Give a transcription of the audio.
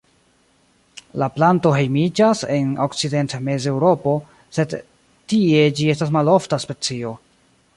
La planto hejmiĝas en Okcident- kaj Mezeŭropo, sed tie ĝi estas malofta specio.